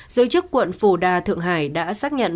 giới chức quận phổ đà thượng hải đã xác nhận